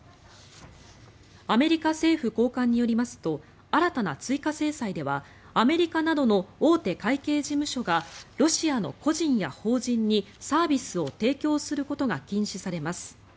アメリカ政府高官によりますと新たな追加制裁ではアメリカなどの大手会計事務所がロシアの個人や法人にサービスを提供することが禁止されます。